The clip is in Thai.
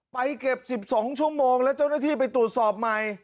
ไปเก็บ๑๒ชั่วโมงแล้วเจ้าหน้าที่ไปตรวจสอบใหม่